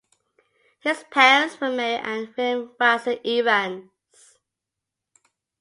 His parents were Mary and William Watson Evans.